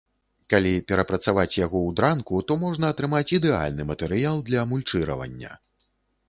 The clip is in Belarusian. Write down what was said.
Калі перапрацаваць яго ў дранку, то можна атрымаць ідэальны матэрыял для мульчыравання.